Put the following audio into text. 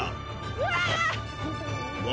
うわ！